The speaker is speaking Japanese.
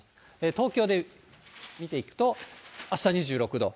東京で見ていくと、あした２６度。